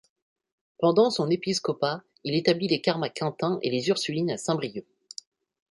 Pendant son épiscopat il établit les Carmes à Quintin et les Ursulines à Saint-Brieuc.